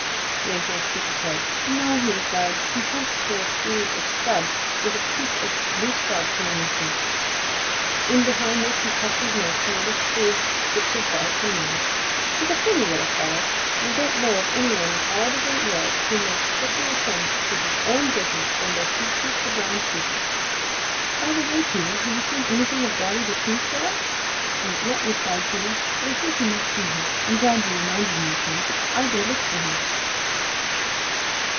Yank Yank shook his head. "No," he replied. "He hunts for a tree or stub with a piece of loose bark hanging to it. In behind this he tucks his nest made of twigs, strips of bark and moss. He's a funny little fellow and I don't know of any one in all the great world who more strictly attends to his own business than does Seep Seep the Brown Creeper. By the way, Peter, have you seen anything of Dotty the Tree Sparrow?" "Not yet," replied Peter, "but I think he must be here. I'm glad you reminded me of him. I'll go look for him."